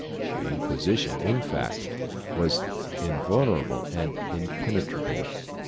The Inquisition, in fact, was invulner able and impenetrable.